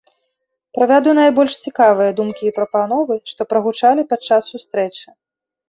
Прывяду найбольш цікавыя думкі і прапановы, што прагучалі падчас сустрэчы.